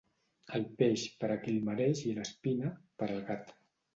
El peix, per a qui el mereix i l'espina, per al gat.